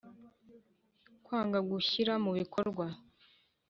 Kwanga gushyira mu bikorwa